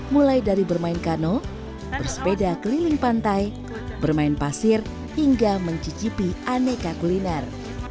mulai dari bermain kano bersepeda keliling pantai bermain pasir hingga mencicipi aneka kuliner